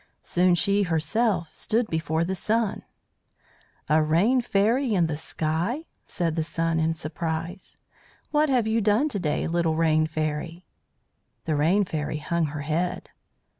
Soon she herself stood before the Sun. "A Rain Fairy in the sky!" said the Sun in surprise. "What have you done to day, little Rain Fairy?" The Rain Fairy hung her head.